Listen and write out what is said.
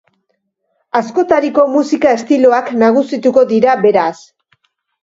Askotariko musika estiloak nagusituko dira, beraz.